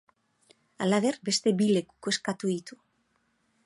Halaber, beste bi lekuko eskatu ditu.